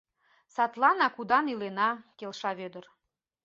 — Садланак удан илена, — келша Вӧдыр.